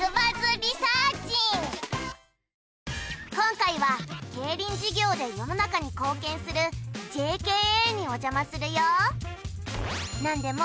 今回は競輪事業で世の中に貢献するＪＫＡにおじゃまするよ